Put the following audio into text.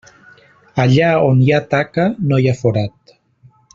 Allà on hi ha taca no hi ha forat.